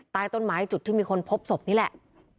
ใต้ต้นไม้จุดที่มีคนพบศพนี่แหละ